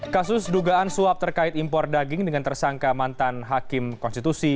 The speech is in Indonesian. kasus dugaan suap terkait impor daging dengan tersangka mantan hakim konstitusi